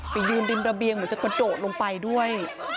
ไปยืนริมระเบียงเหมือนจะกระโดดลงไปด้วย